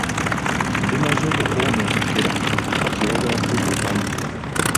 Bimaze okukwonoonekera kati oyagala kubiddukamu.